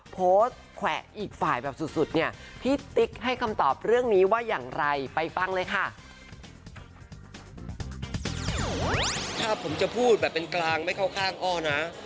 พูดแบบเป็นกลางไม่เข้าข้างอ้อนะ